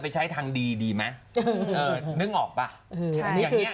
คิดหลายตลกเนี่ยแม่งมากเนี่ย